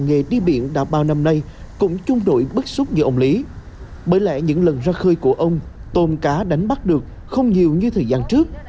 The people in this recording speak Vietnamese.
nghề đi biển đã bao năm nay cũng chung đổi bức xúc như ông lý bởi lẽ những lần ra khơi của ông tôm cá đánh bắt được không nhiều như thời gian trước